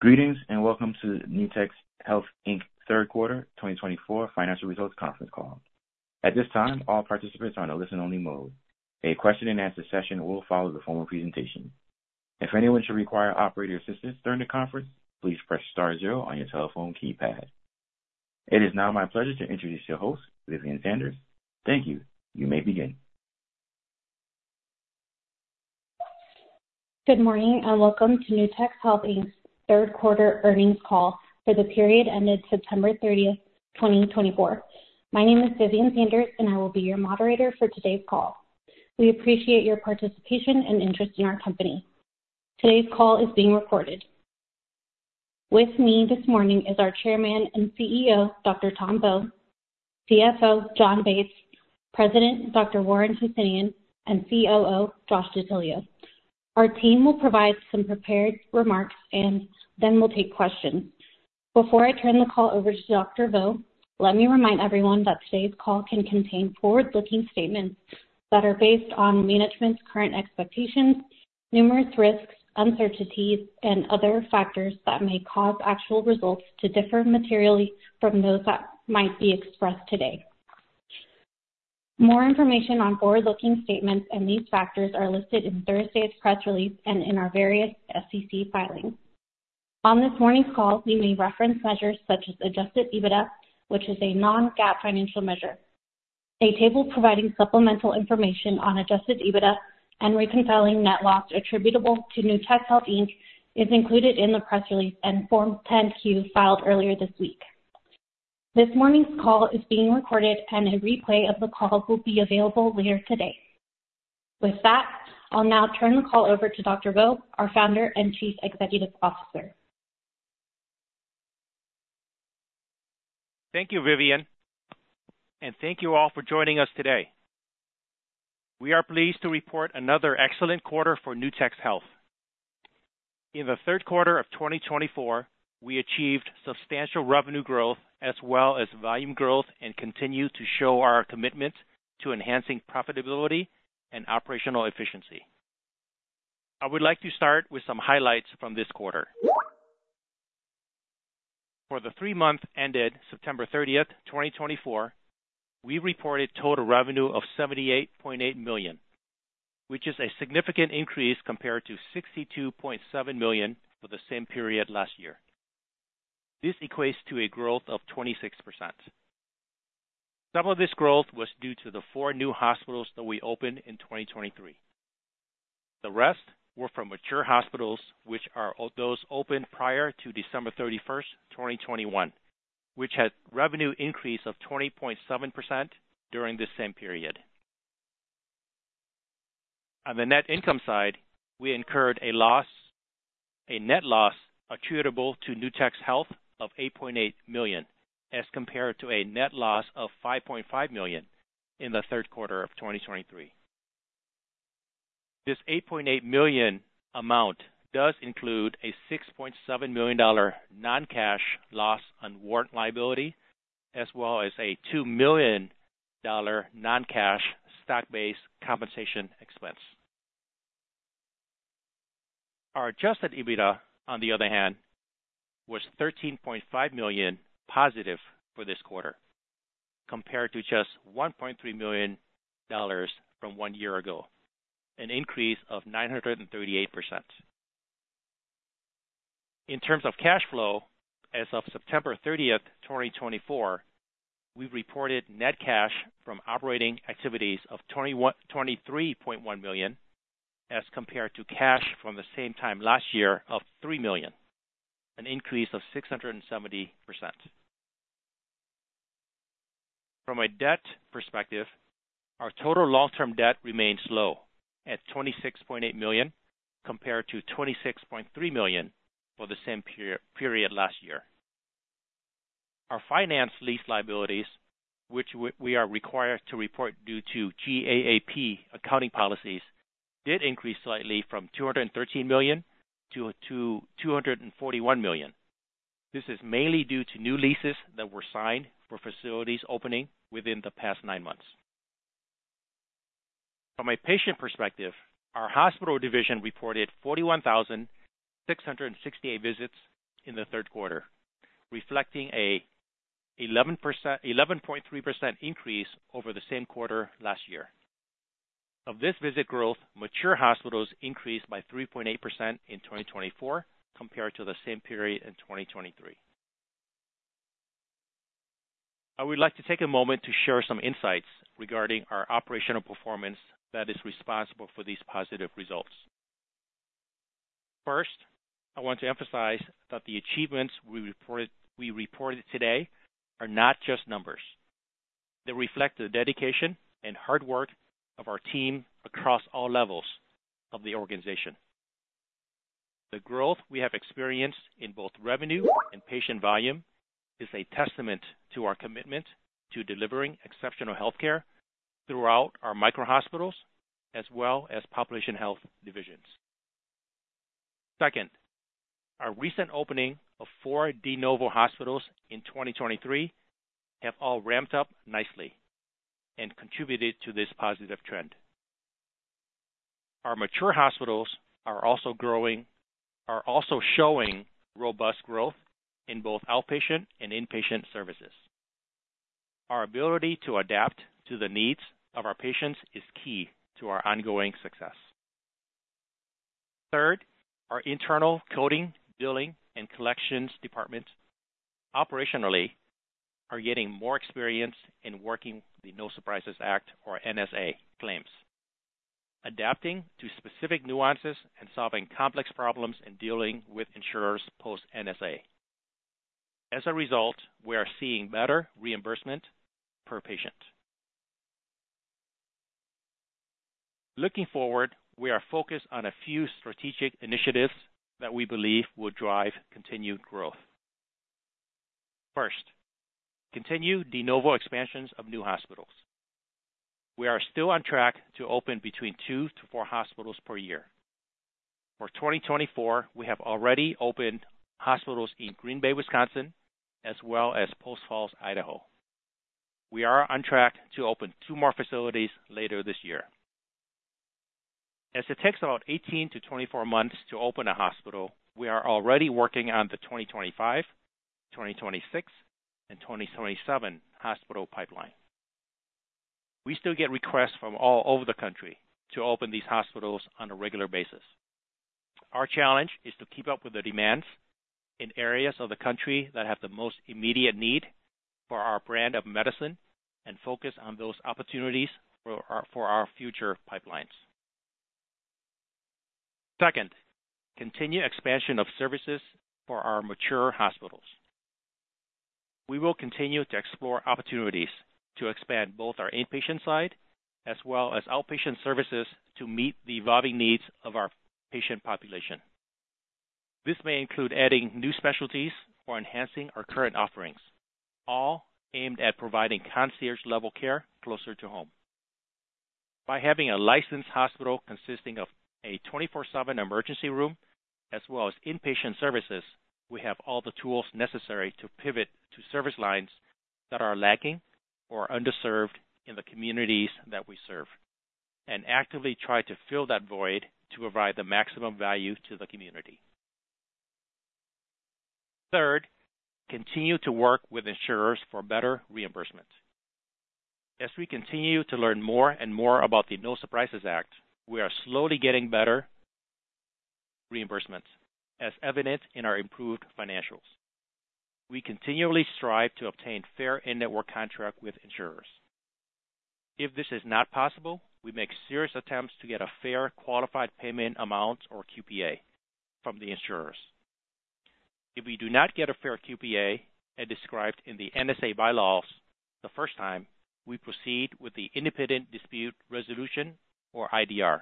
Greetings and welcome to Nutex Health Inc. Third Quarter 2024 Financial Results Conference Call. At this time, all participants are in a listen-only mode. A question-and-answer session will follow the formal presentation. If anyone should require operator assistance during the conference, please press star zero on your telephone keypad. It is now my pleasure to introduce your host, Vivian Sanders. Thank you. You may begin. Good morning and welcome to Nutex Health Inc.'s Third Quarter Earnings Call for the period ended September 30th, 2024. My name is Vivian Sanders, and I will be your moderator for today's call. We appreciate your participation and interest in our company. Today's call is being recorded. With me this morning is our Chairman and CEO, Dr. Tom Vo, CFO, Jon Bates, President, Dr. Warren Hosseinion, and COO, Josh De Tillio. Our team will provide some prepared remarks and then we'll take questions. Before I turn the call over to Dr. Vo, let me remind everyone that today's call can contain forward-looking statements that are based on management's current expectations, numerous risks, uncertainties, and other factors that may cause actual results to differ materially from those that might be expressed today. More information on forward-looking statements and these factors are listed in Thursday's press release and in our various SEC filings. On this morning's call, we may reference measures such as Adjusted EBITDA, which is a non-GAAP financial measure. A table providing supplemental information on Adjusted EBITDA and reconciling net loss attributable to Nutex Health Inc. is included in the press release and Form 10-Q filed earlier this week. This morning's call is being recorded, and a replay of the call will be available later today. With that, I'll now turn the call over to Dr. Vo, our founder and Chief Executive Officer. Thank you, Vivian, and thank you all for joining us today. We are pleased to report another excellent quarter for Nutex Health. In the third quarter of 2024, we achieved substantial revenue growth as well as volume growth and continue to show our commitment to enhancing profitability and operational efficiency. I would like to start with some highlights from this quarter. For the three months ended September 30th, 2024, we reported total revenue of $78.8 million, which is a significant increase compared to $62.7 million for the same period last year. This equates to a growth of 26%. Some of this growth was due to the four new hospitals that we opened in 2023. The rest were from mature hospitals, which are those opened prior to December 31st, 2021, which had a revenue increase of 20.7% during the same period. On the net income side, we incurred a net loss attributable to Nutex Health of $8.8 million as compared to a net loss of $5.5 million in the third quarter of 2023. This $8.8 million amount does include a $6.7 million non-cash loss on warrant liability as well as a $2 million non-cash stock-based compensation expense. Our Adjusted EBITDA, on the other hand, was $13.5 million positive for this quarter compared to just $1.3 million from one year ago, an increase of 938%. In terms of cash flow, as of September 30th, 2024, we reported net cash from operating activities of $23.1 million as compared to cash from the same time last year of $3 million, an increase of 670%. From a debt perspective, our total long-term debt remained low at $26.8 million compared to $26.3 million for the same period last year. Our finance lease liabilities, which we are required to report due to GAAP accounting policies, did increase slightly from $213 million-$241 million. This is mainly due to new leases that were signed for facilities opening within the past nine months. From a patient perspective, our hospital division reported 41,668 visits in the third quarter, reflecting an 11.3% increase over the same quarter last year. Of this visit growth, mature hospitals increased by 3.8% in 2024 compared to the same period in 2023. I would like to take a moment to share some insights regarding our operational performance that is responsible for these positive results. First, I want to emphasize that the achievements we reported today are not just numbers. They reflect the dedication and hard work of our team across all levels of the organization. The growth we have experienced in both revenue and patient volume is a testament to our commitment to delivering exceptional healthcare throughout our Micro Hospitals as well as Population Health divisions. Second, our recent opening of four De novo Hospitals in 2023 have all ramped up nicely and contributed to this positive trend. Our Mature Hospitals are also showing robust growth in both outpatient and inpatient services. Our ability to adapt to the needs of our patients is key to our ongoing success. Third, our internal coding, billing, and collections departments operationally are getting more experience in working the No Surprises Act, or NSA, claims, adapting to specific nuances and solving complex problems in dealing with insurers post-NSA. As a result, we are seeing better reimbursement per patient. Looking forward, we are focused on a few strategic initiatives that we believe will drive continued growth. First, continue De novo expansions of new hospitals. We are still on track to open between two to four hospitals per year. For 2024, we have already opened hospitals in Green Bay, Wisconsin, as well as Post Falls, Idaho. We are on track to open two more facilities later this year. As it takes about 18 to 24 months to open a hospital, we are already working on the 2025, 2026, and 2027 hospital pipeline. We still get requests from all over the country to open these hospitals on a regular basis. Our challenge is to keep up with the demands in areas of the country that have the most immediate need for our brand of medicine and focus on those opportunities for our future pipelines. Second, continue expansion of services for our Mature Hospitals. We will continue to explore opportunities to expand both our inpatient side as well as outpatient services to meet the evolving needs of our patient population. This may include adding new specialties or enhancing our current offerings, all aimed at providing concierge-level care closer to home. By having a licensed hospital consisting of a 24/7 emergency room as well as inpatient services, we have all the tools necessary to pivot to service lines that are lacking or underserved in the communities that we serve and actively try to fill that void to provide the maximum value to the community. Third, continue to work with insurers for better reimbursement. As we continue to learn more and more about the No Surprises Act, we are slowly getting better reimbursement, as evident in our improved financials. We continually strive to obtain fair in-network contract with insurers. If this is not possible, we make serious attempts to get a fair Qualified Payment amount, or QPA, from the insurers. If we do not get a fair QPA as described in the NSA bylaws the first time, we proceed with the Independent Dispute Resolution, or IDR,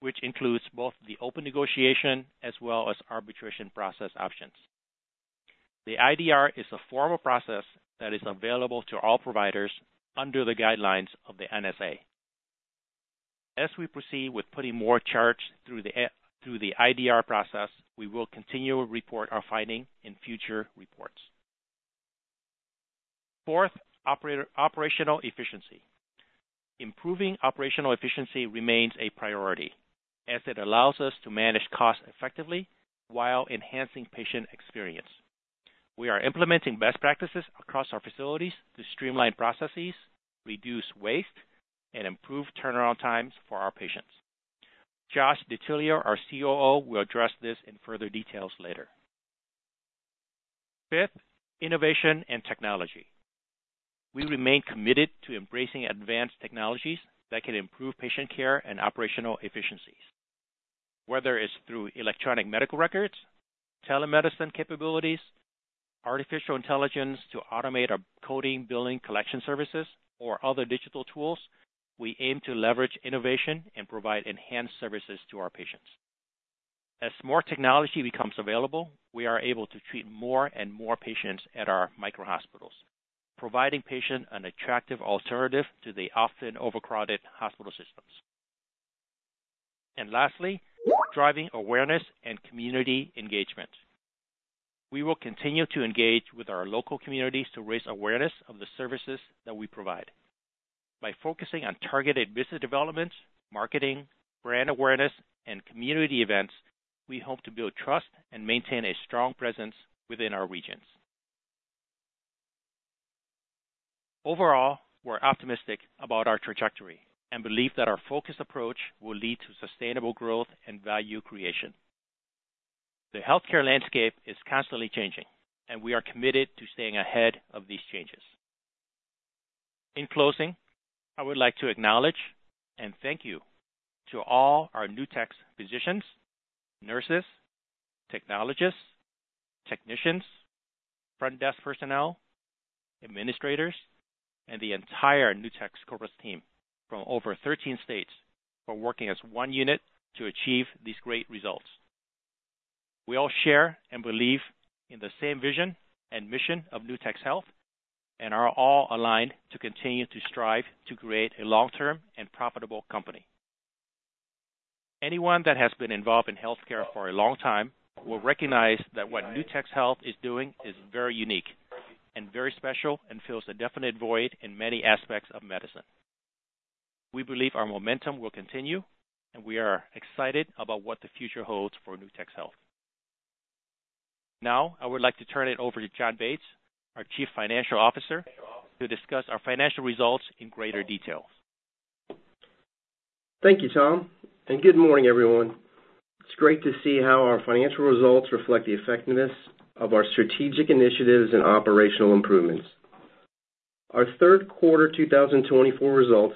which includes both the open negotiation as well as arbitration process options. The IDR is a formal process that is available to all providers under the guidelines of the NSA. As we proceed with putting more charge through the IDR process, we will continue to report our findings in future reports. Fourth, operational efficiency. Improving operational efficiency remains a priority as it allows us to manage costs effectively while enhancing patient experience. We are implementing best practices across our facilities to streamline processes, reduce waste, and improve turnaround times for our patients. Josh DeTillio, our COO, will address this in further details later. Fifth, innovation and technology. We remain committed to embracing advanced technologies that can improve patient care and operational efficiencies. Whether it's through electronic medical records, telemedicine capabilities, artificial intelligence to automate our coding, billing, collection services, or other digital tools, we aim to leverage innovation and provide enhanced services to our patients. As more technology becomes available, we are able to treat more and more patients at our micro hospitals, providing patients an attractive alternative to the often overcrowded hospital systems. And lastly, driving awareness and community engagement. We will continue to engage with our local communities to raise awareness of the services that we provide. By focusing on targeted business development, marketing, brand awareness, and community events, we hope to build trust and maintain a strong presence within our regions. Overall, we're optimistic about our trajectory and believe that our focused approach will lead to sustainable growth and value creation. The healthcare landscape is constantly changing, and we are committed to staying ahead of these changes. In closing, I would like to acknowledge and thank you to all our Nutex physicians, nurses, technologists, technicians, front desk personnel, administrators, and the entire Nutex corporate team from over 13 states for working as one unit to achieve these great results. We all share and believe in the same vision and mission of Nutex Health and are all aligned to continue to strive to create a long-term and profitable company. Anyone that has been involved in healthcare for a long time will recognize that what Nutex Health is doing is very unique and very special and fills a definite void in many aspects of medicine. We believe our momentum will continue, and we are excited about what the future holds for Nutex Health. Now, I would like to turn it over to Jon Bates, our Chief Financial Officer, to discuss our financial results in greater detail. Thank you, Tom. And good morning, everyone. It's great to see how our financial results reflect the effectiveness of our strategic initiatives and operational improvements. Our third quarter 2024 results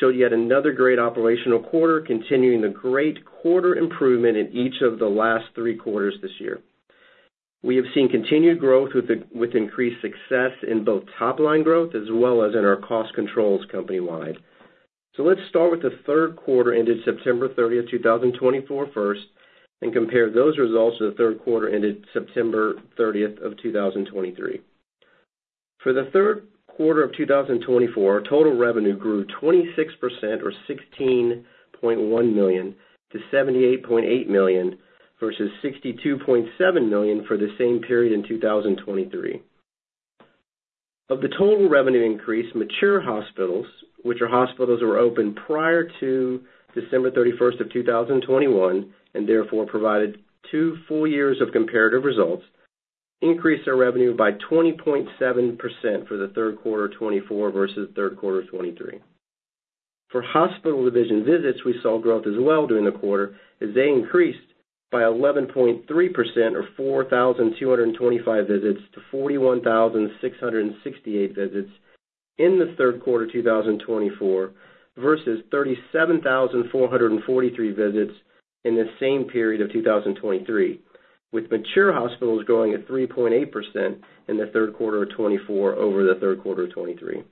showed yet another great operational quarter, continuing the great quarter improvement in each of the last three quarters this year. We have seen continued growth with increased success in both top-line growth as well as in our cost controls company-wide. So let's start with the third quarter ended September 30th, 2024, first, and compare those results to the third quarter ended September 30th of 2023. For the third quarter of 2024, total revenue grew 26%, or $16.1 million, to $78.8 million versus $62.7 million for the same period in 2023. Of the total revenue increase, Mature Hospitals, which are hospitals that were opened prior to December 31st of 2021 and therefore provided two full years of comparative results, increased their revenue by 20.7% for the third quarter 2024 versus third quarter 2023. For hospital division visits, we saw growth as well during the quarter as they increased by 11.3%, or 4,225 visits, to 41,668 visits in the third quarter 2024 versus 37,443 visits in the same period of 2023, with Mature Hospitals growing at 3.8% in the third quarter of 2024 over the third quarter of 2023.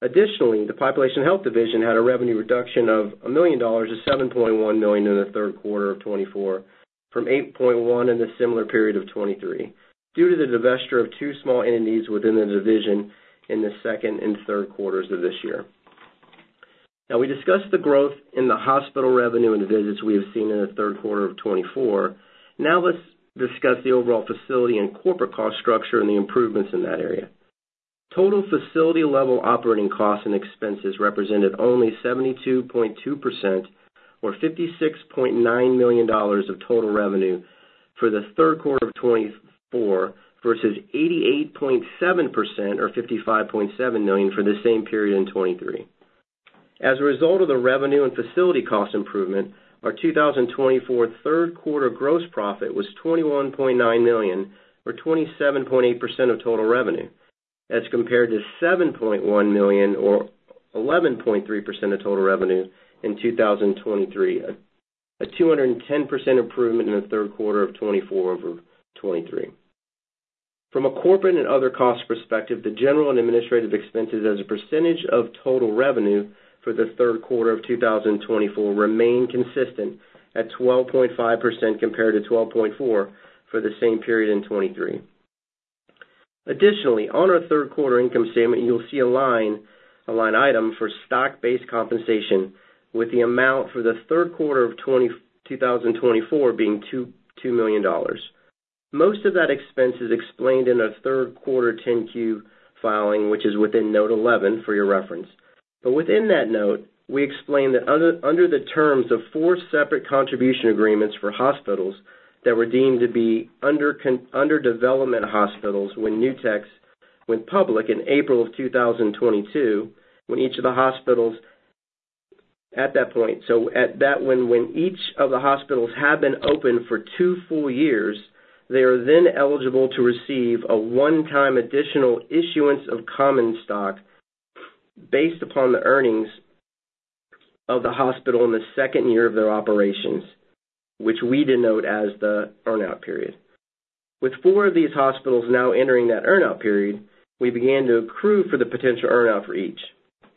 Additionally, the Population Health division had a revenue reduction of $1 million-$7.1 million in the third quarter of 2024 from $8.1 million in the similar period of 2023 due to the divestiture of two small entities within the division in the second and third quarters of this year. Now, we discussed the growth in the hospital revenue and the visits we have seen in the third quarter of 2024. Now, let's discuss the overall facility and corporate cost structure and the improvements in that area. Total facility-level operating costs and expenses represented only 72.2%, or $56.9 million of total revenue for the third quarter of 2024 versus 88.7%, or $55.7 million for the same period in 2023. As a result of the revenue and facility cost improvement, our 2024 third quarter gross profit was $21.9 million, or 27.8% of total revenue, as compared to $7.1 million, or 11.3% of total revenue in 2023, a 210% improvement in the third quarter of 2024 over 2023. From a corporate and other cost perspective, the general and administrative expenses as a percentage of total revenue for the third quarter of 2024 remain consistent at 12.5% compared to 12.4% for the same period in 2023. Additionally, on our third quarter income statement, you'll see a line item for stock-based compensation, with the amount for the third quarter of 2024 being $2 million. Most of that expense is explained in our third quarter 10-Q filing, which is within Note 11 for your reference. But within that note, we explain that under the terms of four separate contribution agreements for hospitals that were deemed to be underdevelopment hospitals with Nutex Health in April of 2022, when each of the hospitals at that point when each of the hospitals have been open for two full years, they are then eligible to receive a one-time additional issuance of common stock based upon the earnings of the hospital in the second year of their operations, which we denote as the earnout period. With four of these hospitals now entering that earnout period, we began to accrue for the potential earnout for each.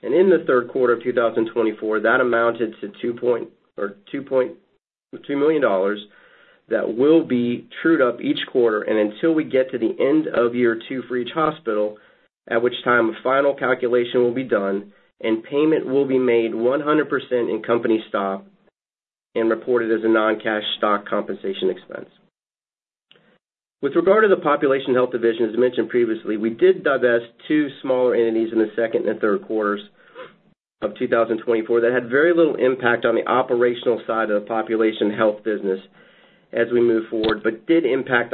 In the third quarter of 2024, that amounted to $2 million that will be trued up each quarter until we get to the end of year two for each hospital, at which time a final calculation will be done and payment will be made 100% in company stock and reported as a non-cash stock compensation expense. With regard to the population health division, as mentioned previously, we did divest two smaller entities in the second and third quarters of 2024 that had very little impact on the operational side of the population health business as we move forward, but did impact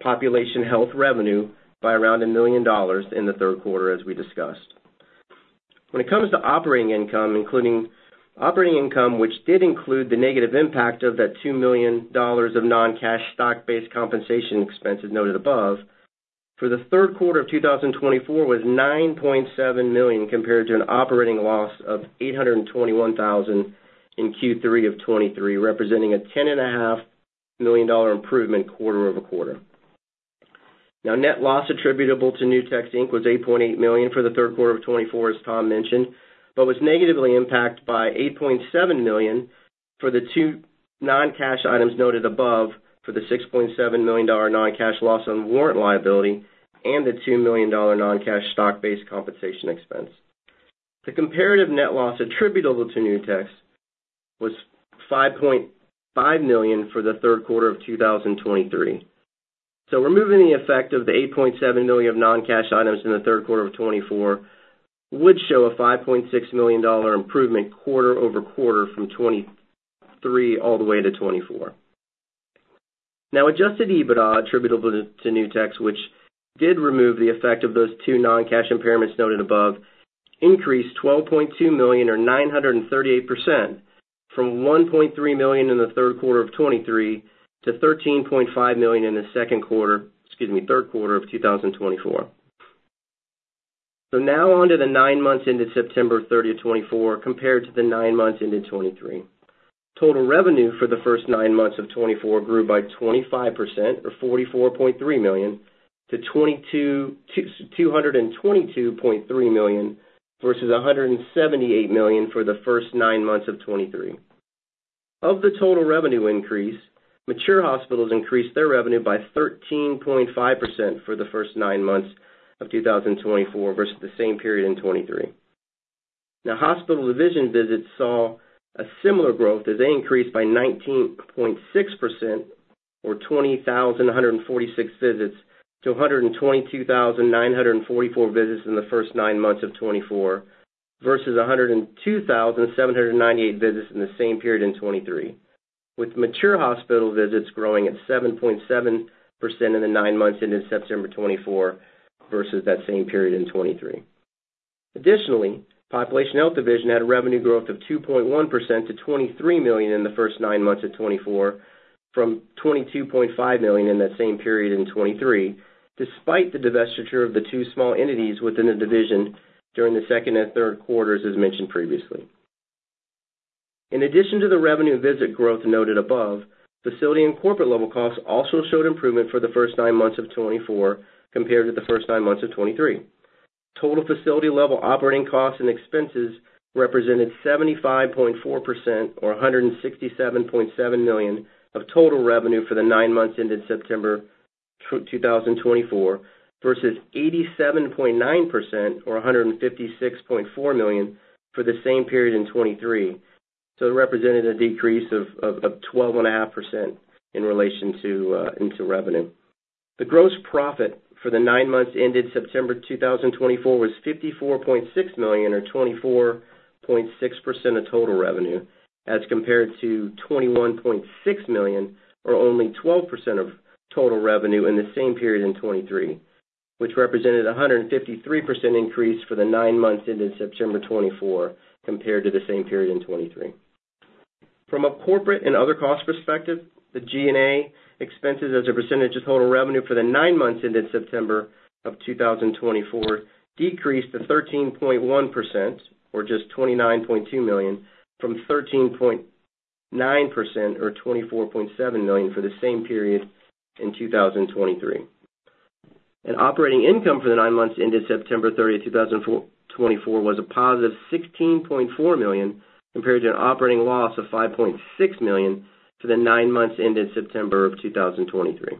population health revenue by around $1 million in the third quarter, as we discussed. When it comes to operating income, including operating income, which did include the negative impact of that $2 million of non-cash stock-based compensation expenses noted above, for the third quarter of 2024 was $9.7 million compared to an operating loss of $821,000 in Q3 of 2023, representing a $10.5 million improvement quarter over quarter. Now, net loss attributable to Nutex Inc. was $8.8 million for the third quarter of 2024, as Tom mentioned, but was negatively impacted by $8.7 million for the two non-cash items noted above for the $6.7 million non-cash loss on warrant liability and the $2 million non-cash stock-based compensation expense. The comparative net loss attributable to Nutex was $5.5 million for the third quarter of 2023. Removing the effect of the $8.7 million of non-cash items in the third quarter of 2024 would show a $5.6 million improvement quarter over quarter from 2023 all the way to 2024. Now, Adjusted EBITDA attributable to Nutex, which did remove the effect of those two non-cash impairments noted above, increased $12.2 million, or 938%, from $1.3 million in the third quarter of 2023 to $13.5 million in the second quarter, excuse me, third quarter of 2024. Now onto the nine months ended September 30 of 2024 compared to the nine months ended 2023. Total revenue for the first nine months of 2024 grew by 25%, or $44.3 million, to $222.3 million versus $178 million for the first nine months of 2023. Of the total revenue increase, Mature Hospitals increased their revenue by 13.5% for the first nine months of 2024 versus the same period in 2023. Now, hospital division visits saw a similar growth as they increased by 19.6%, or 20,146 visits, to 122,944 visits in the first nine months of 2024 versus 102,798 visits in the same period in 2023, with mature hospital visits growing at 7.7% in the nine months ended September 2024 versus that same period in 2023. Additionally, population health division had a revenue growth of 2.1% to $23 million in the first nine months of 2024 from $22.5 million in that same period in 2023, despite the divestiture of the two small entities within the division during the second and third quarters, as mentioned previously. In addition to the revenue and visit growth noted above, facility and corporate level costs also showed improvement for the first nine months of 2024 compared to the first nine months of 2023. Total facility-level operating costs and expenses represented 75.4%, or $167.7 million, of total revenue for the nine months ended September 2024 versus 87.9%, or $156.4 million, for the same period in 2023. So it represented a decrease of 12.5% in relation to revenue. The gross profit for the nine months ended September 2024 was $54.6 million, or 24.6% of total revenue, as compared to $21.6 million, or only 12% of total revenue in the same period in 2023, which represented a 153% increase for the nine months ended September 2024 compared to the same period in 2023. From a corporate and other cost perspective, the G&A expenses as a percentage of total revenue for the nine months ended September of 2024 decreased to 13.1%, or just $29.2 million, from 13.9%, or $24.7 million for the same period in 2023. Operating income for the nine months ended September 30, 2024, was a positive $16.4 million compared to an operating loss of $5.6 million for the nine months ended September of 2023.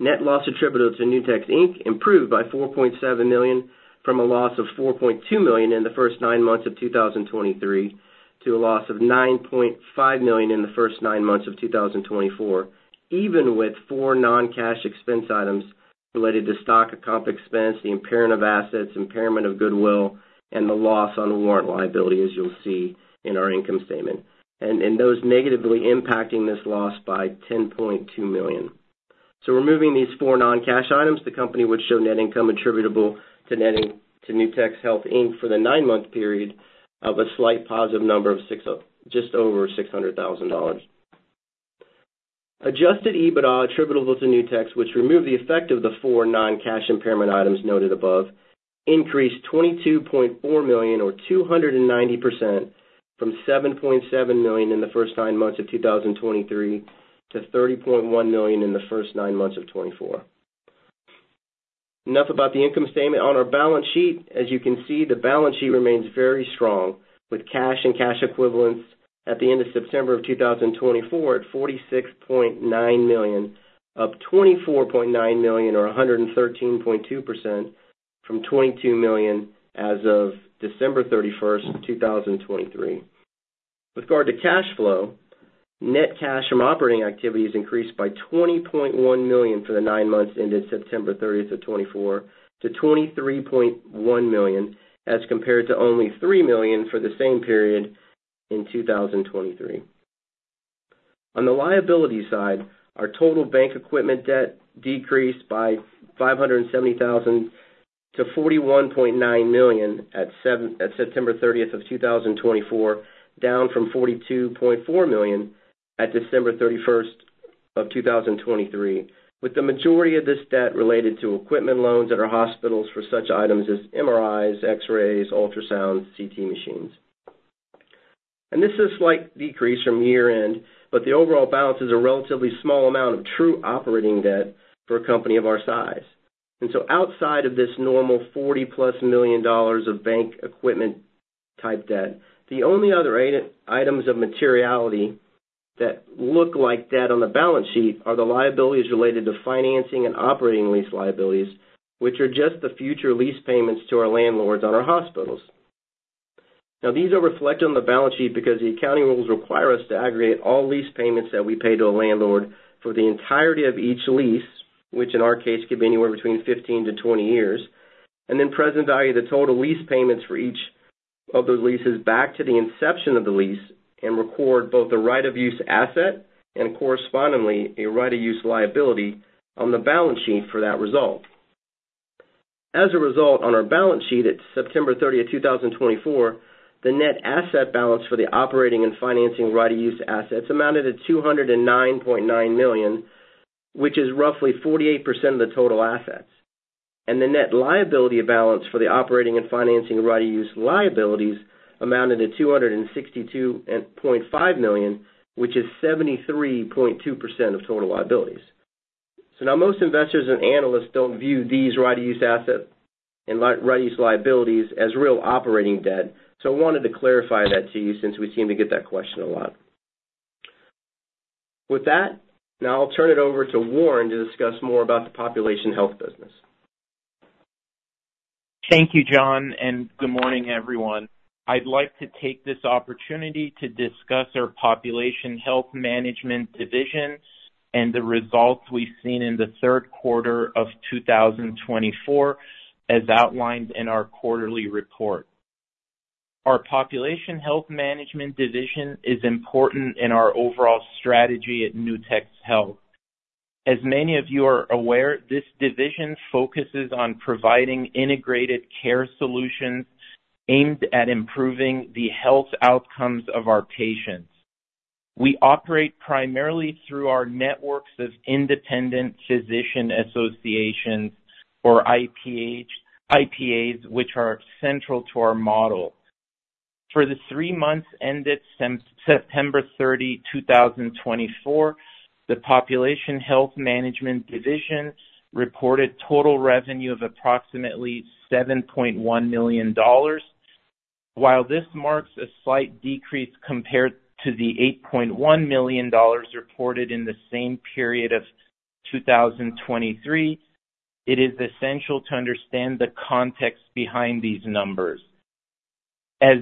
Net loss attributable to Nutex Health Inc. improved by $4.7 million from a loss of $4.2 million in the first nine months of 2023 to a loss of $9.5 million in the first nine months of 2024, even with four non-cash expense items related to stock comp expense, the impairment of assets, impairment of goodwill, and the loss on warrant liability, as you'll see in our income statement, and those negatively impacting this loss by $10.2 million. Removing these four non-cash items, the company would show net income attributable to Nutex Health Inc. for the nine-month period of a slight positive number of just over $600,000. Adjusted EBITDA attributable to Nutex, which removed the effect of the four non-cash impairment items noted above, increased $22.4 million, or 290%, from $7.7 million in the first nine months of 2023 to $30.1 million in the first nine months of 2024. Enough about the income statement. On our balance sheet, as you can see, the balance sheet remains very strong with cash and cash equivalents at the end of September of 2024 at $46.9 million, up $24.9 million, or 113.2%, from $22 million as of December 31, 2023. With regard to cash flow, net cash from operating activities increased by $20.1 million for the nine months ended September 30 of 2024 to $23.1 million, as compared to only $3 million for the same period in 2023. On the liability side, our total bank equipment debt decreased by $570,000 to $41.9 million at September 30 of 2024, down from $42.4 million at December 31 of 2023, with the majority of this debt related to equipment loans at our hospitals for such items as MRIs, X-rays, ultrasounds, CT machines. And this is a slight decrease from year-end, but the overall balance is a relatively small amount of true operating debt for a company of our size. And so outside of this normal $40-plus million of bank equipment-type debt, the only other items of materiality that look like debt on the balance sheet are the liabilities related to financing and operating lease liabilities, which are just the future lease payments to our landlords on our hospitals. Now, these are reflected on the balance sheet because the accounting rules require us to aggregate all lease payments that we pay to a landlord for the entirety of each lease, which in our case could be anywhere between 15-20 years, and then present value the total lease payments for each of those leases back to the inception of the lease and record both a right of use asset and, correspondingly, a right of use liability on the balance sheet for that result. As a result, on our balance sheet at September 30, 2024, the net asset balance for the operating and financing right of use assets amounted to $209.9 million, which is roughly 48% of the total assets. And the net liability balance for the operating and financing right of use liabilities amounted to $262.5 million, which is 73.2% of total liabilities. So now most investors and analysts don't view these Right of Use Assets and Right of Use Liabilities as real operating debt. So I wanted to clarify that to you since we seem to get that question a lot. With that, now I'll turn it over to Warren to discuss more about the Population Health business. Thank you, Jon, and good morning, everyone. I'd like to take this opportunity to discuss our population health management division and the results we've seen in the third quarter of 2024, as outlined in our quarterly report. Our population health management division is important in our overall strategy at Nutex Health. As many of you are aware, this division focuses on providing integrated care solutions aimed at improving the health outcomes of our patients. We operate primarily through our networks of independent physician associations, or IPAs, which are central to our model. For the three months ended September 30, 2024, the population health management division reported total revenue of approximately $7.1 million. While this marks a slight decrease compared to the $8.1 million reported in the same period of 2023, it is essential to understand the context behind these numbers. As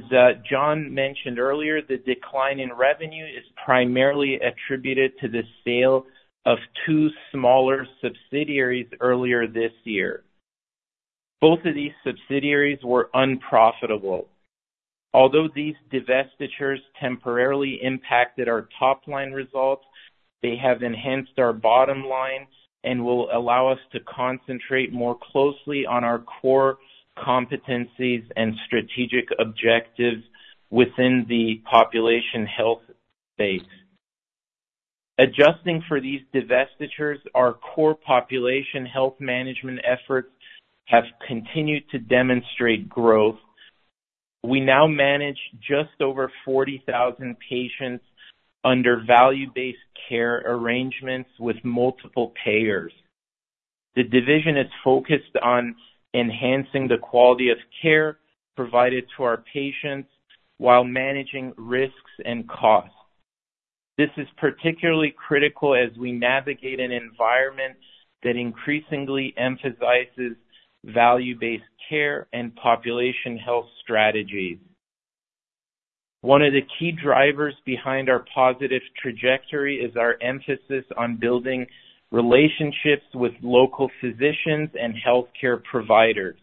Jon mentioned earlier, the decline in revenue is primarily attributed to the sale of two smaller subsidiaries earlier this year. Both of these subsidiaries were unprofitable. Although these divestitures temporarily impacted our top-line results, they have enhanced our bottom line and will allow us to concentrate more closely on our core competencies and strategic objectives within the population health space. Adjusting for these divestitures, our core population health management efforts have continued to demonstrate growth. We now manage just over 40,000 patients under value-based care arrangements with multiple payers. The division is focused on enhancing the quality of care provided to our patients while managing risks and costs. This is particularly critical as we navigate an environment that increasingly emphasizes value-based care and population health strategies. One of the key drivers behind our positive trajectory is our emphasis on building relationships with local physicians and healthcare providers.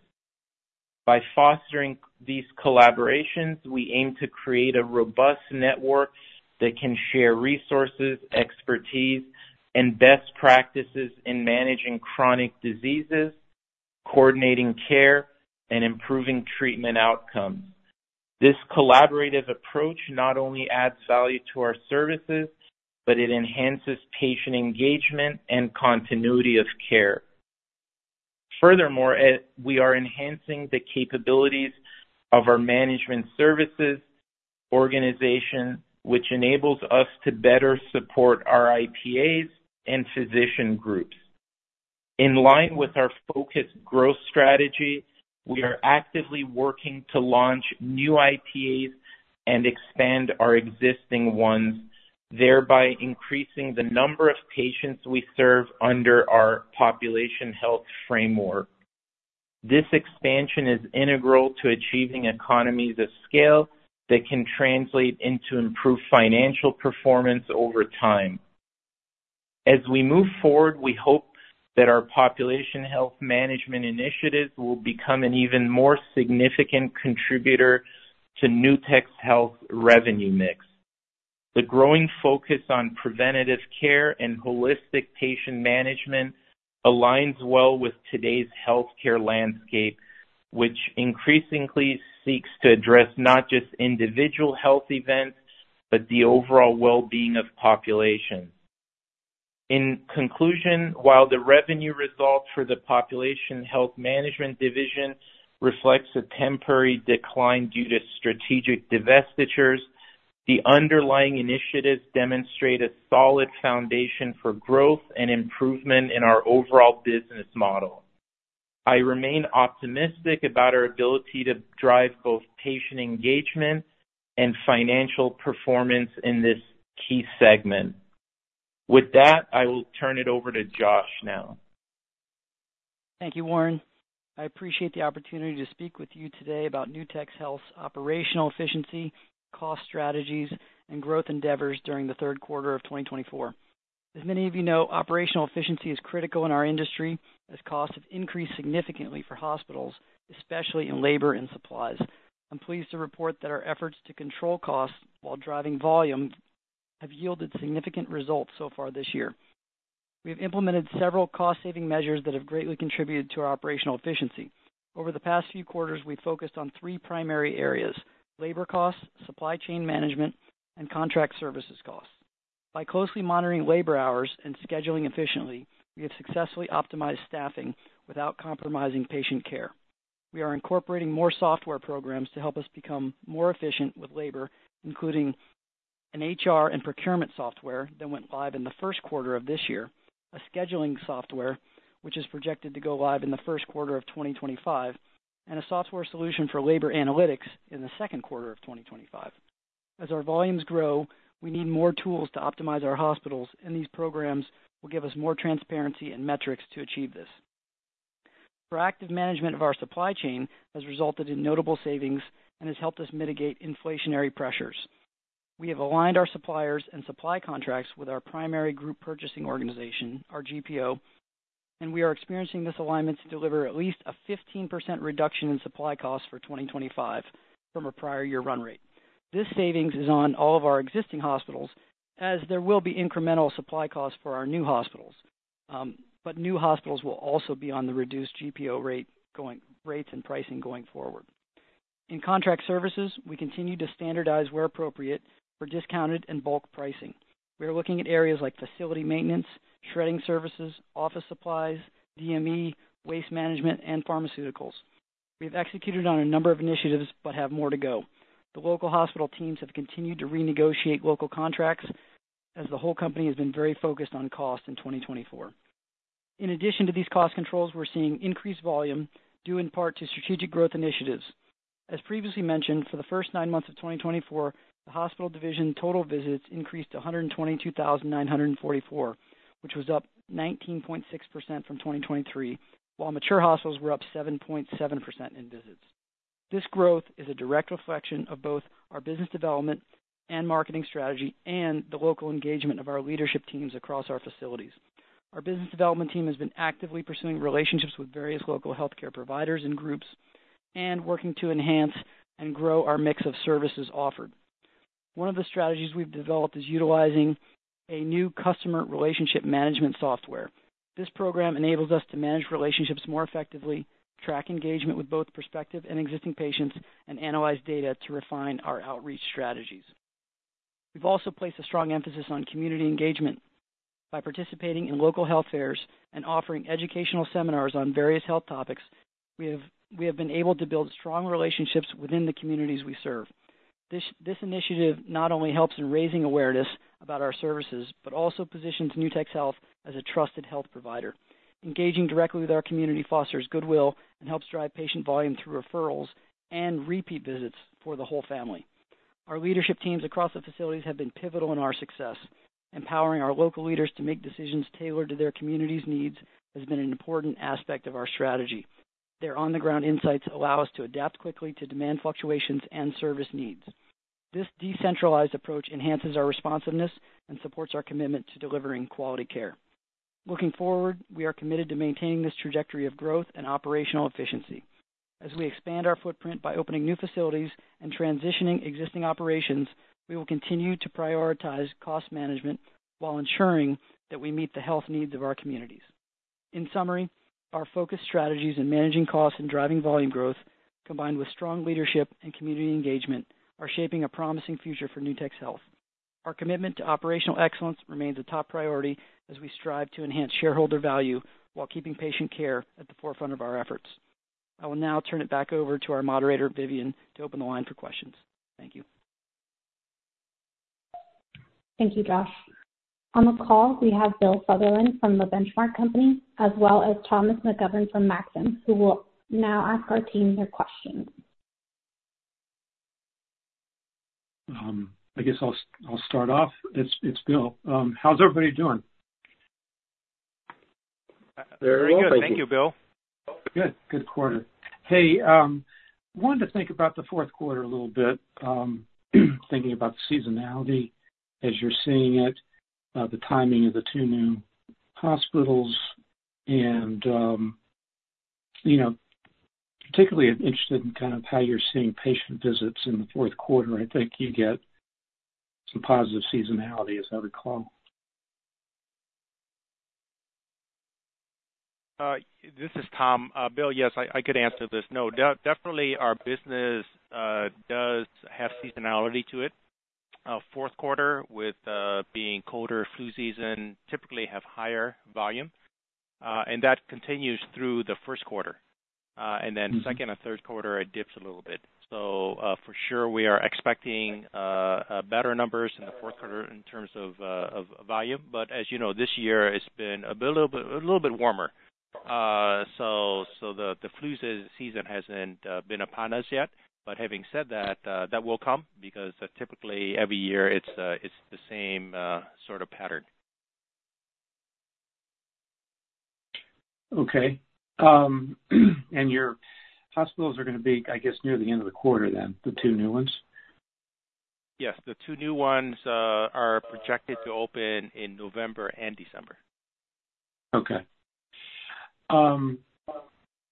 By fostering these collaborations, we aim to create a robust network that can share resources, expertise, and best practices in managing chronic diseases, coordinating care, and improving treatment outcomes. This collaborative approach not only adds value to our services, but it enhances patient engagement and continuity of care. Furthermore, we are enhancing the capabilities of our management services organization, which enables us to better support our IPAs and physician groups. In line with our focused growth strategy, we are actively working to launch new IPAs and expand our existing ones, thereby increasing the number of patients we serve under our population health framework. This expansion is integral to achieving economies of scale that can translate into improved financial performance over time. As we move forward, we hope that our population health management initiatives will become an even more significant contributor to Nutex Health's revenue mix. The growing focus on preventative care and holistic patient management aligns well with today's healthcare landscape, which increasingly seeks to address not just individual health events, but the overall well-being of populations. In conclusion, while the revenue results for the population health management division reflect a temporary decline due to strategic divestitures, the underlying initiatives demonstrate a solid foundation for growth and improvement in our overall business model. I remain optimistic about our ability to drive both patient engagement and financial performance in this key segment. With that, I will turn it over to Josh now. Thank you, Warren. I appreciate the opportunity to speak with you today about Nutex Health's operational efficiency, cost strategies, and growth endeavors during the third quarter of 2024. As many of you know, operational efficiency is critical in our industry as costs have increased significantly for hospitals, especially in labor and supplies. I'm pleased to report that our efforts to control costs while driving volume have yielded significant results so far this year. We have implemented several cost-saving measures that have greatly contributed to our operational efficiency. Over the past few quarters, we focused on three primary areas: labor costs, supply chain management, and contract services costs. By closely monitoring labor hours and scheduling efficiently, we have successfully optimized staffing without compromising patient care. We are incorporating more software programs to help us become more efficient with labor, including an HR and procurement software that went live in the first quarter of this year, a scheduling software, which is projected to go live in the first quarter of 2025, and a software solution for labor analytics in the second quarter of 2025. As our volumes grow, we need more tools to optimize our hospitals, and these programs will give us more transparency and metrics to achieve this. Proactive management of our supply chain has resulted in notable savings and has helped us mitigate inflationary pressures. We have aligned our suppliers and supply contracts with our primary group purchasing organization, our GPO, and we are experiencing this alignment to deliver at least a 15% reduction in supply costs for 2025 from a prior year run rate. This savings is on all of our existing hospitals, as there will be incremental supply costs for our new hospitals, but new hospitals will also be on the reduced GPO rates and pricing going forward. In contract services, we continue to standardize where appropriate for discounted and bulk pricing. We are looking at areas like facility maintenance, shredding services, office supplies, DME, waste management, and pharmaceuticals. We have executed on a number of initiatives but have more to go. The local hospital teams have continued to renegotiate local contracts, as the whole company has been very focused on cost in 2024. In addition to these cost controls, we're seeing increased volume due in part to strategic growth initiatives. As previously mentioned, for the first nine months of 2024, the hospital division total visits increased to 122,944, which was up 19.6% from 2023, while mature hospitals were up 7.7% in visits. This growth is a direct reflection of both our business development and marketing strategy and the local engagement of our leadership teams across our facilities. Our business development team has been actively pursuing relationships with various local healthcare providers and groups and working to enhance and grow our mix of services offered. One of the strategies we've developed is utilizing a new customer relationship management software. This program enables us to manage relationships more effectively, track engagement with both prospective and existing patients, and analyze data to refine our outreach strategies. We've also placed a strong emphasis on community engagement. By participating in local health fairs and offering educational seminars on various health topics, we have been able to build strong relationships within the communities we serve. This initiative not only helps in raising awareness about our services, but also positions Nutex Health as a trusted health provider. Engaging directly with our community fosters goodwill and helps drive patient volume through referrals and repeat visits for the whole family. Our leadership teams across the facilities have been pivotal in our success. Empowering our local leaders to make decisions tailored to their community's needs has been an important aspect of our strategy. Their on-the-ground insights allow us to adapt quickly to demand fluctuations and service needs. This decentralized approach enhances our responsiveness and supports our commitment to delivering quality care. Looking forward, we are committed to maintaining this trajectory of growth and operational efficiency. As we expand our footprint by opening new facilities and transitioning existing operations, we will continue to prioritize cost management while ensuring that we meet the health needs of our communities. In summary, our focused strategies in managing costs and driving volume growth, combined with strong leadership and community engagement, are shaping a promising future for Nutex Health. Our commitment to operational excellence remains a top priority as we strive to enhance shareholder value while keeping patient care at the forefront of our efforts. I will now turn it back over to our moderator, Vivian, to open the line for questions. Thank you. Thank you, Josh. On the call, we have Bill Sutherland from The Benchmark Company, as well as Thomas McGovern from Maxim, who will now ask our team their questions. I guess I'll start off. It's Bill. How's everybody doing? Very good. Thank you, Bill. Good. Good quarter. Hey, I wanted to think about the fourth quarter a little bit, thinking about the seasonality as you're seeing it, the timing of the two new hospitals, and particularly interested in kind of how you're seeing patient visits in the fourth quarter. I think you get some positive seasonality, as I recall. This is Tom. Bill, yes, I could answer this. No, definitely our business does have seasonality to it. Fourth quarter, with being colder, flu season, typically have higher volume, and that continues through the first quarter. And then second and third quarter, it dips a little bit. So for sure, we are expecting better numbers in the fourth quarter in terms of volume. But as you know, this year has been a little bit warmer. So the flu season hasn't been upon us yet. But having said that, that will come because typically every year it's the same sort of pattern. Okay. And your hospitals are going to be, I guess, near the end of the quarter then, the two new ones? Yes. The two new ones are projected to open in November and December. Okay. On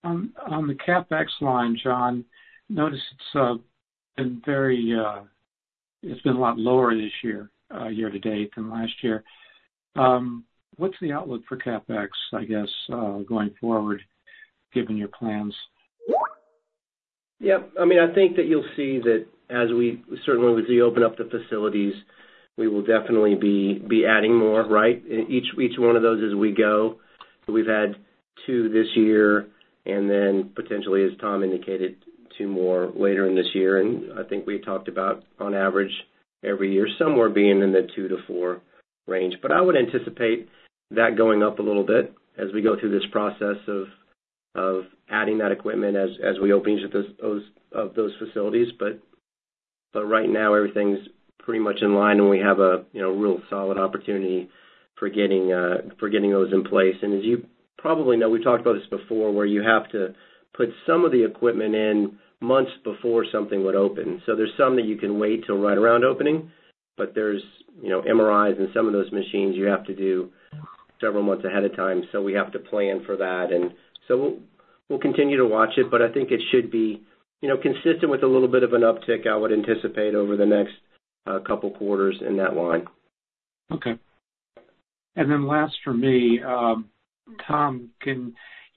the CapEx line, Jon, notice it's been a lot lower this year to date than last year. What's the outlook for CapEx, I guess, going forward, given your plans? Yeah. I mean, I think that you'll see that as we certainly will do open up the facilities, we will definitely be adding more, right? Each one of those as we go. We've had two this year, and then potentially, as Tom indicated, two more later in this year. And I think we talked about on average every year somewhere being in the two to four range. But I would anticipate that going up a little bit as we go through this process of adding that equipment as we open each of those facilities. But right now, everything's pretty much in line, and we have a real solid opportunity for getting those in place. And as you probably know, we've talked about this before, where you have to put some of the equipment in months before something would open. So there's some that you can wait till right around opening, but there's MRIs and some of those machines you have to do several months ahead of time. So we have to plan for that. And so we'll continue to watch it, but I think it should be consistent with a little bit of an uptick I would anticipate over the next couple of quarters in that line. Okay. And then last for me, Tom, can you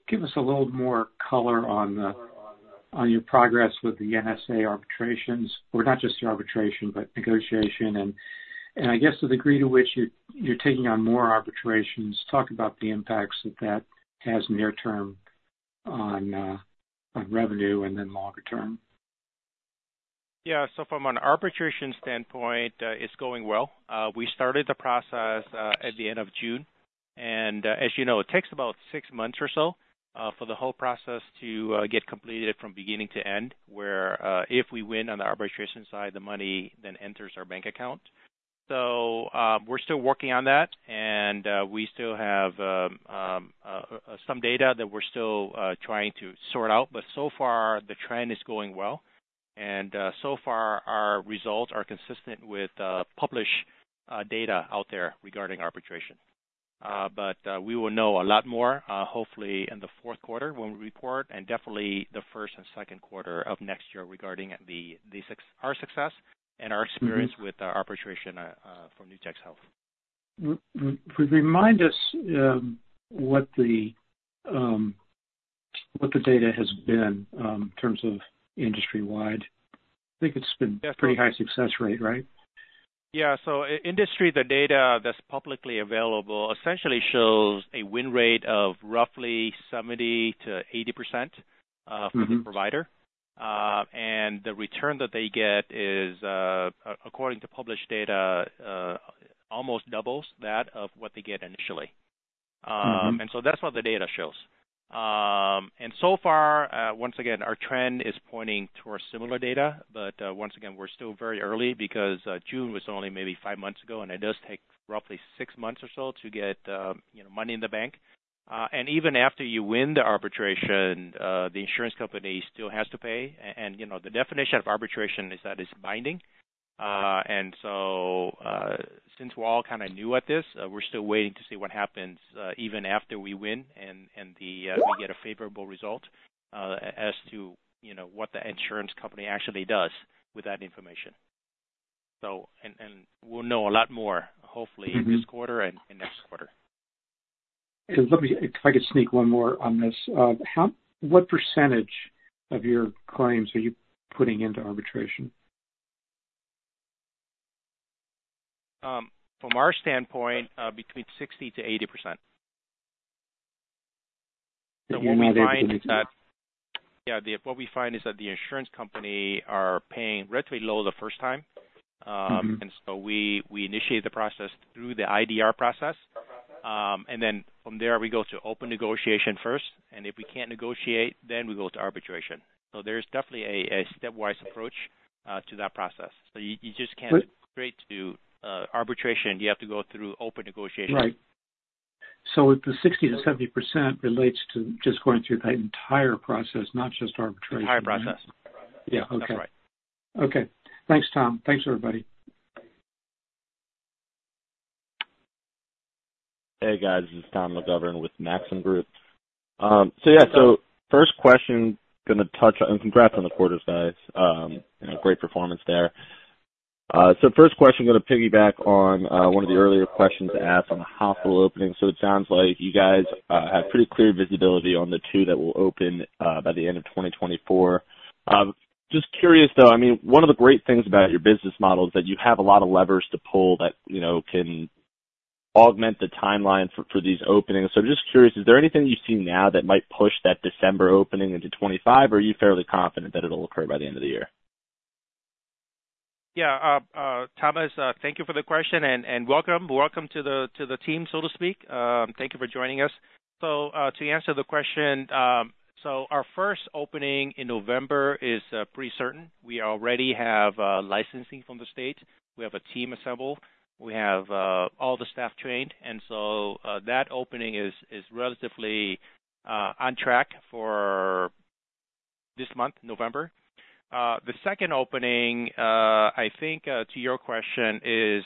give us a little more color on your progress with the NSA arbitrations? Or not just the arbitration, but negotiation. And I guess the degree to which you're taking on more arbitrations, talk about the impacts that that has near-term on revenue and then longer-term? Yeah. So from an arbitration standpoint, it's going well. We started the process at the end of June, and as you know, it takes about six months or so for the whole process to get completed from beginning to end, where if we win on the arbitration side, the money then enters our bank account, so we're still working on that, and we still have some data that we're still trying to sort out, but so far, the trend is going well, and so far, our results are consistent with published data out there regarding arbitration, but we will know a lot more, hopefully, in the fourth quarter when we report, and definitely the first and second quarter of next year regarding our success and our experience with arbitration for Nutex Health. Remind us what the data has been in terms of industry-wide. I think it's been a pretty high success rate, right? Yeah. So industry, the data that's publicly available essentially shows a win rate of roughly 70%-80% for the provider. And the return that they get is, according to published data, almost doubles that of what they get initially. And so that's what the data shows. And so far, once again, our trend is pointing towards similar data. But once again, we're still very early because June was only maybe five months ago, and it does take roughly six months or so to get money in the bank. And even after you win the arbitration, the insurance company still has to pay. And the definition of arbitration is that it's binding. And so since we're all kind of new at this, we're still waiting to see what happens even after we win and we get a favorable result as to what the insurance company actually does with that information. And we'll know a lot more, hopefully, this quarter and next quarter. If I could sneak one more on this. What percentage of your claims are you putting into arbitration? From our standpoint, between 60%-80%. What we find is that. Yeah. What we find is that the insurance company are paying relatively low the first time. And so we initiate the process through the IDR process. And then from there, we go to open negotiation first. And if we can't negotiate, then we go to arbitration. So there's definitely a stepwise approach to that process. So you just can't straight to arbitration. You have to go through open negotiation. Right. So the 60%-70% relates to just going through the entire process, not just arbitration. Entire process. Yeah. Okay. That's right. Okay. Thanks, Tom. Thanks, everybody. Hey, guys. This is Tom McGovern with Maxim Group. So yeah, so first question, going to touch on, congrats on the quarters, guys. Great performance there. So first question, going to piggyback on one of the earlier questions asked on the hospital opening. So it sounds like you guys have pretty clear visibility on the two that will open by the end of 2024. Just curious, though, I mean, one of the great things about your business model is that you have a lot of levers to pull that can augment the timeline for these openings. So just curious, is there anything you see now that might push that December opening into 2025, or are you fairly confident that it'll occur by the end of the year? Yeah. Thomas, thank you for the question and welcome to the team, so to speak. Thank you for joining us. So to answer the question, so our first opening in November is pretty certain. We already have licensing from the state. We have a team assembled. We have all the staff trained. And so that opening is relatively on track for this month, November. The second opening, I think to your question, is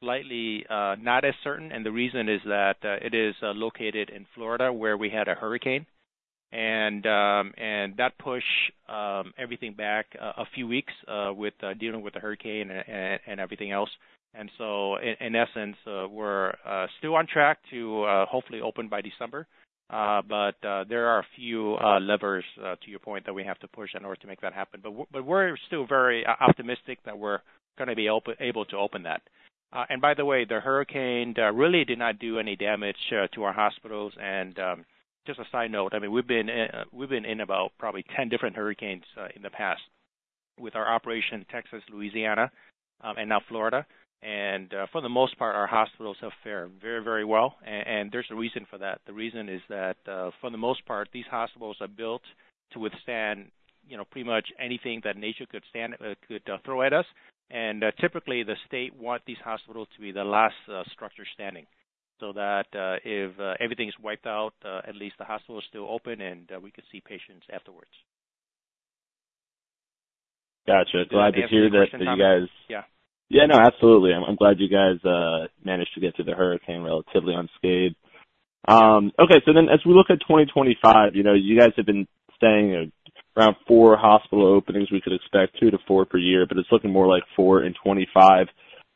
slightly not as certain. And the reason is that it is located in Florida, where we had a hurricane. And that pushed everything back a few weeks with dealing with the hurricane and everything else. And so in essence, we're still on track to hopefully open by December. But there are a few levers, to your point, that we have to push in order to make that happen. But we're still very optimistic that we're going to be able to open that. And by the way, the hurricane really did not do any damage to our hospitals. And just a side note, I mean, we've been in about probably 10 different hurricanes in the past with our operation in Texas, Louisiana, and now Florida. And for the most part, our hospitals have fared very, very well. And there's a reason for that. The reason is that for the most part, these hospitals are built to withstand pretty much anything that nature could throw at us. And typically, the state wants these hospitals to be the last structure standing so that if everything's wiped out, at least the hospital is still open and we could see patients afterwards. Gotcha. Glad to hear that you guys. Yeah. Yeah. No, absolutely. I'm glad you guys managed to get through the hurricane relatively unscathed. Okay. So then as we look at 2025, you guys have been saying around four hospital openings we could expect, two to four per year, but it's looking more like four in 2025.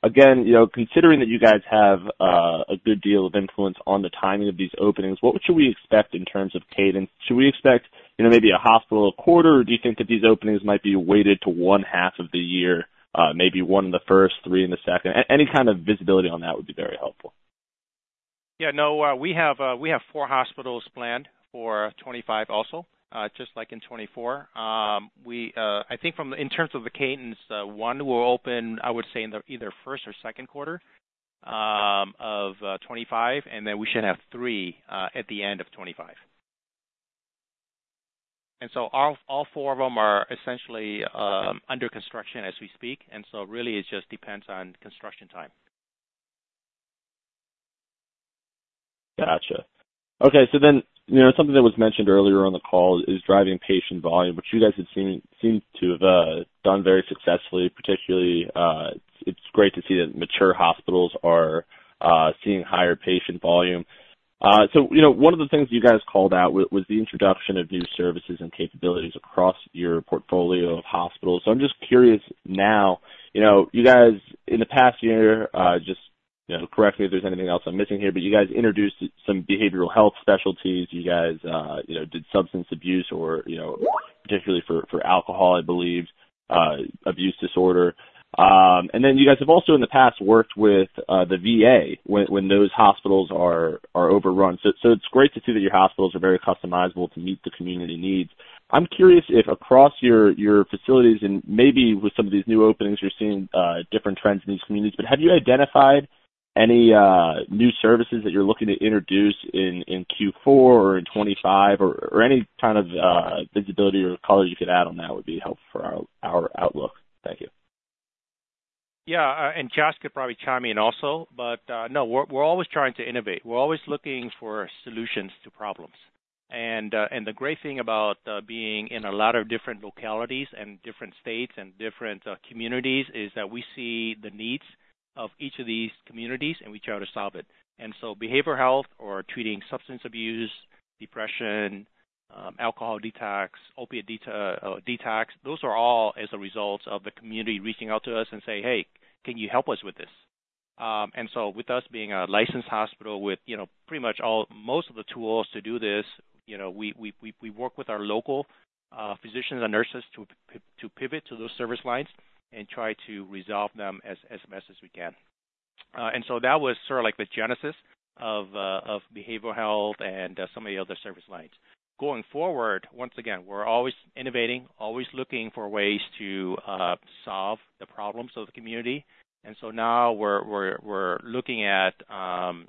Again, considering that you guys have a good deal of influence on the timing of these openings, what should we expect in terms of cadence? Should we expect maybe a hospital a quarter, or do you think that these openings might be weighted to one half of the year, maybe one in the first, three in the second? Any kind of visibility on that would be very helpful. Yeah. No, we have four hospitals planned for 2025 also, just like in 2024. I think in terms of the cadence, one will open, I would say, in either first or second quarter of 2025, and then we should have three at the end of 2025. And so all four of them are essentially under construction as we speak. And so really, it just depends on construction time. Gotcha. Okay. So then something that was mentioned earlier on the call is driving patient volume, which you guys seem to have done very successfully. Particularly, it's great to see that Mature Hospitals are seeing higher patient volume. So one of the things you guys called out was the introduction of new services and capabilities across your portfolio of hospitals. So I'm just curious now, you guys, in the past year, just correct me if there's anything else I'm missing here, but you guys introduced some behavioral health specialties. You guys did substance abuse, particularly for alcohol, I believe, abuse disorder. And then you guys have also in the past worked with the VA when those hospitals are overrun. So it's great to see that your hospitals are very customizable to meet the community needs. I'm curious if across your facilities and maybe with some of these new openings, you're seeing different trends in these communities. But have you identified any new services that you're looking to introduce in Q4 or in 2025, or any kind of visibility or colors you could add on that would be helpful for our outlook? Thank you. Yeah. And Josh could probably chime in also. But no, we're always trying to innovate. We're always looking for solutions to problems. And the great thing about being in a lot of different localities and different states and different communities is that we see the needs of each of these communities, and we try to solve it. And so behavioral health or treating substance abuse, depression, alcohol detox, opiate detox, those are all as a result of the community reaching out to us and saying, "Hey, can you help us with this?" And so with us being a licensed hospital with pretty much most of the tools to do this, we work with our local physicians and nurses to pivot to those service lines and try to resolve them as best as we can. And so that was sort of like the genesis of behavioral health and some of the other service lines. Going forward, once again, we're always innovating, always looking for ways to solve the problems of the community. And so now we're looking at PI,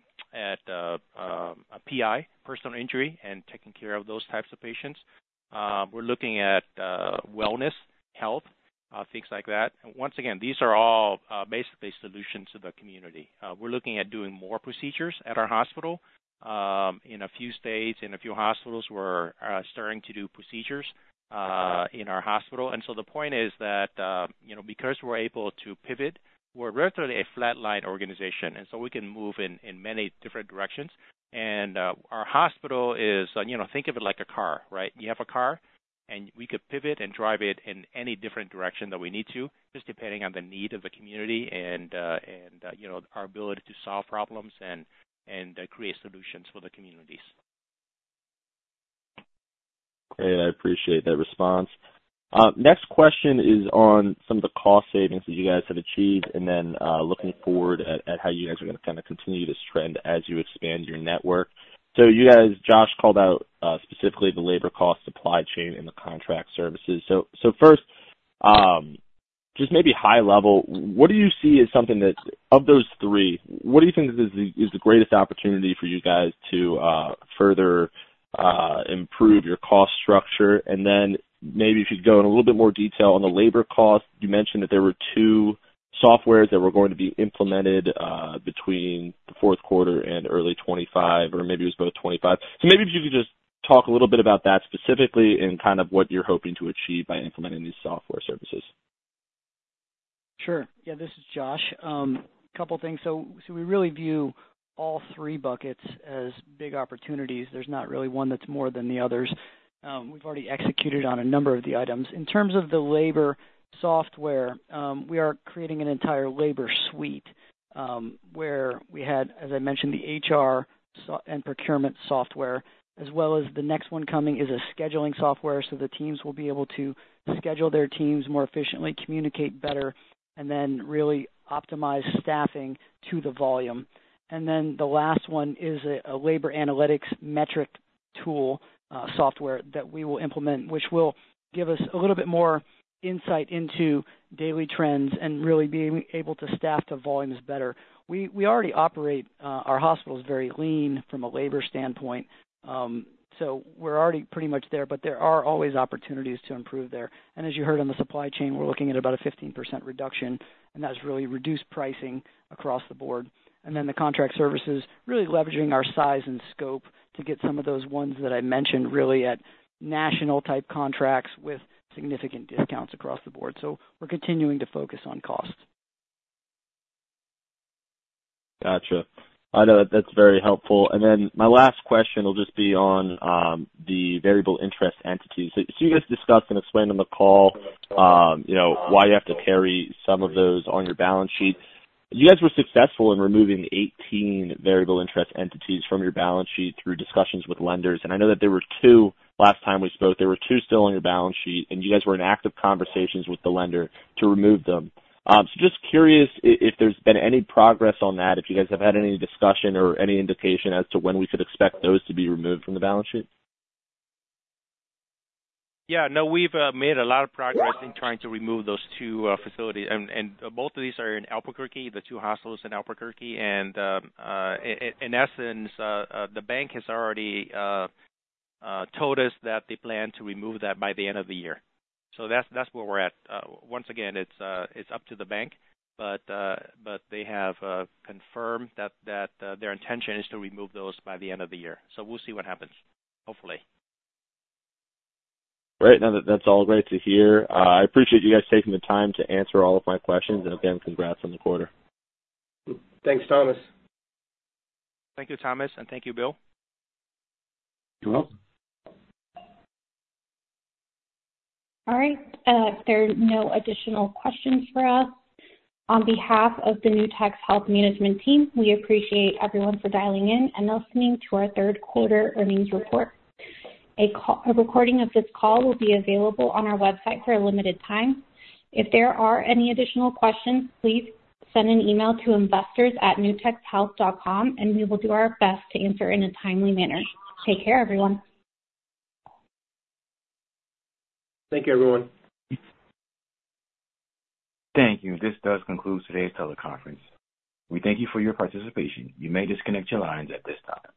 personal injury, and taking care of those types of patients. We're looking at wellness, health, things like that. And once again, these are all basically solutions to the community. We're looking at doing more procedures at our hospital. In a few states, in a few hospitals, we're starting to do procedures in our hospital. And so the point is that because we're able to pivot, we're relatively a flat, lean organization. And so we can move in many different directions. And our hospital, think of it like a car, right? You have a car, and we could pivot and drive it in any different direction that we need to, just depending on the need of the community and our ability to solve problems and create solutions for the communities. Great. I appreciate that response. Next question is on some of the cost savings that you guys have achieved and then looking forward at how you guys are going to kind of continue this trend as you expand your network. So you guys, Josh called out specifically the labor cost supply chain and the contract services. So first, just maybe high level, what do you see as something that, of those three, what do you think is the greatest opportunity for you guys to further improve your cost structure? And then maybe if you could go in a little bit more detail on the labor cost, you mentioned that there were two softwares that were going to be implemented between the fourth quarter and early 2025, or maybe it was both 2025. So maybe if you could just talk a little bit about that specifically and kind of what you're hoping to achieve by implementing these software services? Sure. Yeah. This is Josh. A couple of things. So we really view all three buckets as big opportunities. There's not really one that's more than the others. We've already executed on a number of the items. In terms of the labor software, we are creating an entire labor suite where we had, as I mentioned, the HR and procurement software, as well as the next one coming is a scheduling software. So the teams will be able to schedule their teams more efficiently, communicate better, and then really optimize staffing to the volume. And then the last one is a labor analytics metric tool software that we will implement, which will give us a little bit more insight into daily trends and really being able to staff the volumes better. We already operate our hospitals very lean from a labor standpoint. So we're already pretty much there, but there are always opportunities to improve there. And as you heard on the supply chain, we're looking at about a 15% reduction, and that's really reduced pricing across the board. And then the contract services, really leveraging our size and scope to get some of those ones that I mentioned really at national-type contracts with significant discounts across the board. So we're continuing to focus on cost. Gotcha. I know that's very helpful, and then my last question will just be on the variable interest entities. So you guys discussed and explained on the call why you have to carry some of those on your balance sheet. You guys were successful in removing 18 variable interest entities from your balance sheet through discussions with lenders, and I know that there were two last time we spoke. There were two still on your balance sheet, and you guys were in active conversations with the lender to remove them, so just curious if there's been any progress on that, if you guys have had any discussion or any indication as to when we could expect those to be removed from the balance sheet. Yeah. No, we've made a lot of progress in trying to remove those two facilities. And both of these are in Albuquerque, the two hospitals in Albuquerque. And in essence, the bank has already told us that they plan to remove that by the end of the year. So that's where we're at. Once again, it's up to the bank, but they have confirmed that their intention is to remove those by the end of the year. So we'll see what happens, hopefully. Great. No, that's all great to hear. I appreciate you guys taking the time to answer all of my questions. And again, congrats on the quarter. Thanks, Thomas. Thank you, Thomas. And thank you, Bill. You're welcome. All right. There are no additional questions for us. On behalf of the Nutex Health management team, we appreciate everyone for dialing in and listening to our third quarter earnings report. A recording of this call will be available on our website for a limited time. If there are any additional questions, please send an email to investors@nutexhealth.com, and we will do our best to answer in a timely manner. Take care, everyone. Thank you, everyone. This does conclude today's teleconference. We thank you for your participation. You may disconnect your lines at this time.